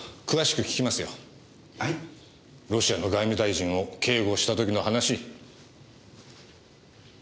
ロシアの外務大臣を警護した時の話。